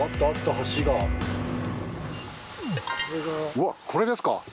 うわっこれですか？